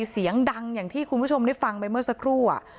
เสียงดังอย่างที่คุณผู้ชมได้ฟังไปเมื่อสักครู่